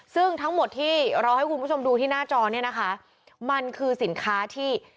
ซึ่งทั้งหมดที่เราให้คุณผู้ชมดูที่หน้าจอเนี่ยนะคะมันคือสินค้าที่